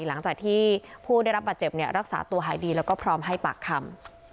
หลังจากที่ผู้ได้รับบาดเจ็บรักษาตัวหายดีแล้วก็พร้อมให้ปากคำ